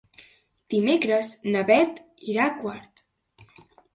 Dimecres na Beth irà a Quart.